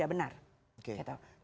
yang sebenarnya tidak benar